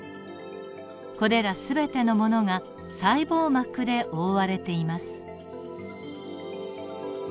これら全てのものが細胞膜で覆われています。